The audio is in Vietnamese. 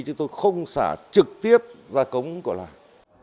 chứ tôi không xả trực tiếp ra cống của làng